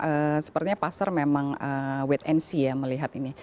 eee sepertinya pasar memang wait and see ya melihat ini